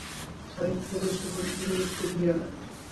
খালিদ থেকে দ্রুত দৃষ্টি ঘুরিয়ে নেয়।